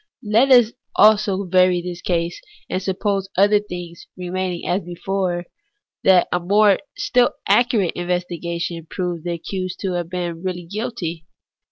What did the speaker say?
Let us vary this case also, and suppose, other things remaining as before, that a still more accurate investi gation proved the accused to have been really guilty.